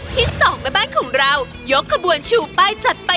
ที่สองแม่บ้านของเรายกขบวนชูป้ายจัดไป